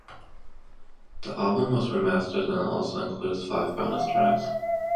The album was remastered and also includes five bonus tracks.